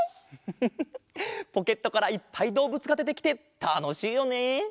フフフフポケットからいっぱいどうぶつがでてきてたのしいよね！